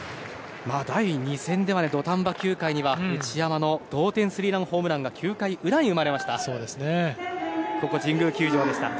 第２戦では、土壇場９回には内山の同点スリーランホームランが９回裏に生まれました。